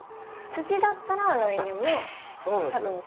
土だったら来年もそうなんですよ。